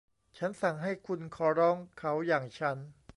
ฉันสั่งให้คุณขอร้องเขาอย่างฉัน